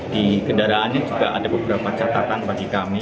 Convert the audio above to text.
di kendaraannya juga ada beberapa catatan bagi kami